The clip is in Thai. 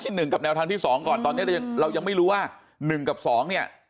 หนึ่งกับแนวทางที่๒ก่อนตอนนี้เรายังไม่รู้ว่า๑กับ๒เนี่ย